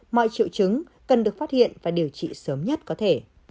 mọi triệu chứng cần được phát hiện và điều trị sớm nhất có thể